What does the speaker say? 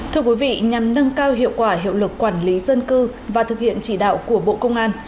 thưa quý vị nhằm nâng cao hiệu quả hiệu lực quản lý dân cư và thực hiện chỉ đạo của bộ công an